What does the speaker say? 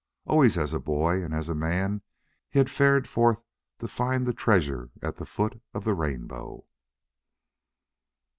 Always as a boy and as a man he had fared forth to find the treasure at the foot of the rainbow.